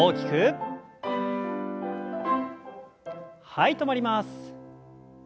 はい止まります。